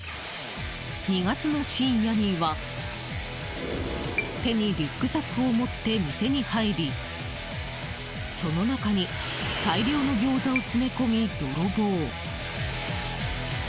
２月の深夜には手にリュックサックを持って店に入りその中に大量のギョーザを詰め込み、泥棒。